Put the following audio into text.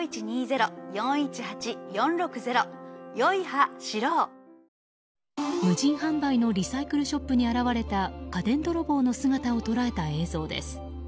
「ほんだし」で無人販売のリサイクルショップに現れた家電泥棒の姿を捉えた映像です。